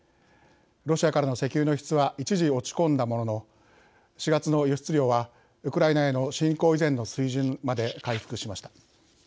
ロシアからの石油の輸出は一時、落ち込んだものの４月の輸出量はウクライナへの侵攻以前の水準まで回復しました。